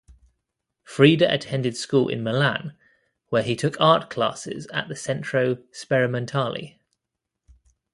Freda attended school in Milan where he took art classes at the Centro Sperimantale.